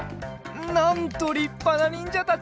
なんとりっぱなにんじゃたち。